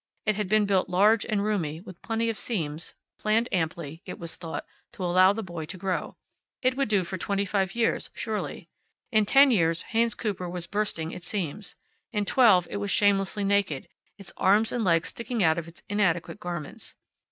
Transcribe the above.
It had been built large and roomy, with plenty of seams, planned amply, it was thought, to allow the boy to grow. It would do for twenty five years, surely. In ten years Haynes Cooper was bursting its seams. In twelve it was shamelessly naked, its arms and legs sticking out of its inadequate garments.